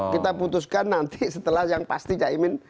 kita putuskan nanti setelah yang pasti cak imin